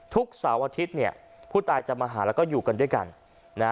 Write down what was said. เสาร์อาทิตย์เนี่ยผู้ตายจะมาหาแล้วก็อยู่กันด้วยกันนะฮะ